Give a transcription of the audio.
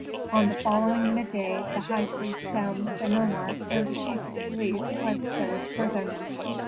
On the following midday the high priest Sem, the nomarch, and the chief of police went to Sarah's prison.